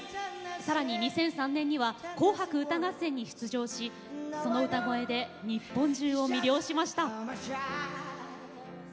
さらに２００３年には「紅白歌合戦」に出場しその歌声で日本中を魅了しました。